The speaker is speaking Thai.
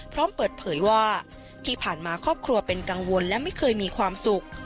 พร้อมเปิดเผยว่าที่ผ่านมาครอบครัวเป็นกังวลและไม่เคยมีความสุข